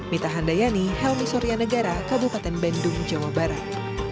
mita handayani helmi suryanegara kabupaten bendung jawa barat